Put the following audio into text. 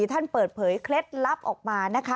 ท่านเปิดเผยเคล็ดลับออกมานะคะ